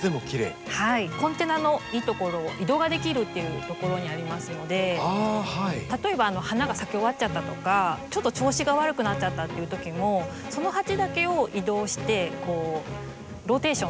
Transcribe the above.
コンテナのいいところ移動ができるというところにありますので例えば花が咲き終わっちゃったとかちょっと調子が悪くなっちゃったっていうときもその鉢だけを移動してローテーションすることが。